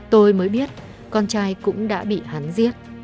tôi mới biết con trai cũng đã bị hắn giết